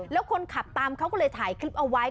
แล้วคนขับตามเขาก็เลยถ่ายคลิปเอาไว้